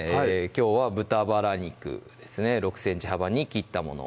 きょうは豚バラ肉ですね６ｃｍ幅に切ったもの